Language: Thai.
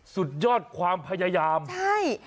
สุดยอดความพยายามใช่